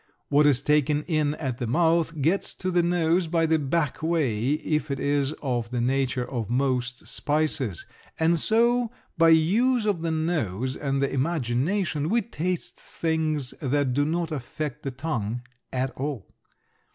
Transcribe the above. What is taken in at the mouth gets to the nose by the back way if it is of the nature of most spices, and so by use of the nose and the imagination we taste things that do not affect the tongue at all.